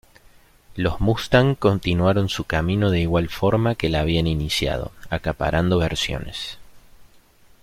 Los Mustang continuaron su camino de igual forma que la habían iniciado, acaparando versiones.